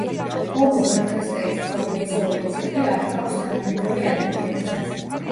ჰომო ერგასტერის ცხოვრებისეული ციკლი არ ჰგავს თანამედროვე ადამიანისას.